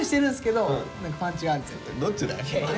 どっちだよ！